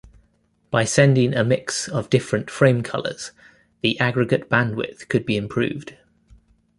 By sending a mix of different frame colors, the aggregate bandwidth could be improved.